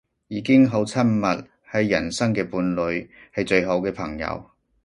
已經好親密，係人生嘅伴侶，係最好嘅朋友